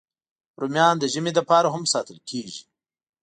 رومیان د ژمي لپاره هم ساتل کېږي